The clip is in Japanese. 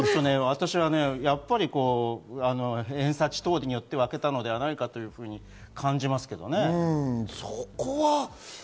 私は偏差値等によって分けたのではないかというふうに感じますけどね。